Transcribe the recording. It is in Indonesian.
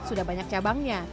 sudah banyak cabangnya